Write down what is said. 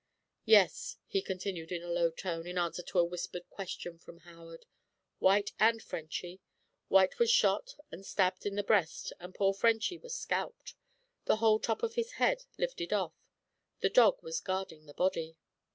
"Yes," he continued in a low tone, in answer to a whispered question from Howard; "White and Frenchy. White was shot and stabbed in the breast and poor Frenchy was scalped the whole top of his head lifted off. The dog was guarding the body."